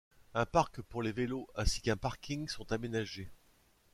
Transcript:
Un parc pour les vélos ainsi qu'un parking sont aménagés.